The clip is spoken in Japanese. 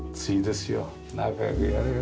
仲良くやれよ。